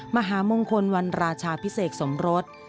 มหามงคลวันราชาพิเศษสมรส